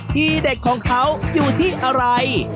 ทีเด็ดของเขาอยู่ที่อะไร